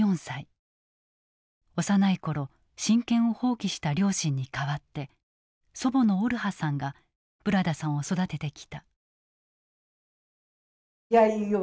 幼い頃親権を放棄した両親に代わって祖母のオルハさんがブラダさんを育ててきた。